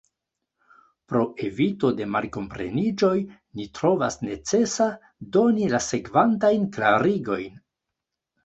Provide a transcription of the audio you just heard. Pro evito de malkompreniĝoj, ni trovas necesa doni la sekvantajn klarigojn.